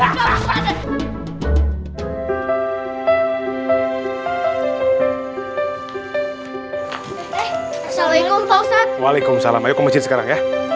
assalamu'alaikum walaikum's assalam